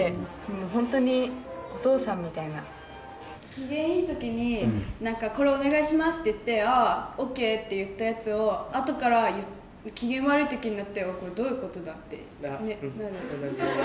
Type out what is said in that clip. ほんとに機嫌いい時に「これお願いします」って言って「ああＯＫ」って言ったやつをあとから機嫌悪い時になって「これどういうことだ」ってなる。